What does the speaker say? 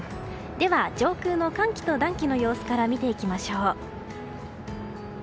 では上空の寒気と暖気の様子から見ていきましょう。